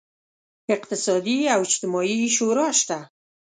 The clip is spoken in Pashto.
اقتصادي او اجتماعي شورا شته.